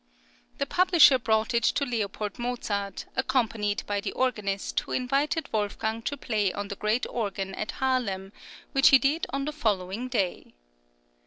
[20044] The publisher brought it to Leopold Mozart, accompanied by the organist, who invited Wolfgang to play on the great organ at Haarlem, which he did on the following day.